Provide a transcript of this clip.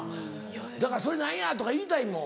だから「それ何や？」とか言いたいもん。